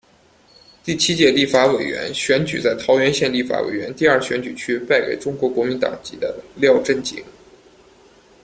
第七届立法委员选举在桃园县立法委员第二选举区败给中国国民党籍的廖正井。